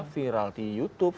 viral di youtube